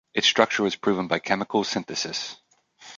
Its structure was proven by chemical synthesis.